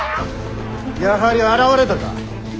やはり現れたか。